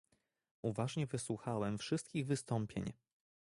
Uważnie wysłuchałem wszystkich wystąpień